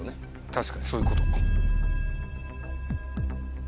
確かにそういうことか。